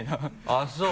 あっそう。